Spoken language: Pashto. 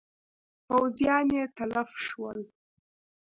پوځیان یې تلف شول.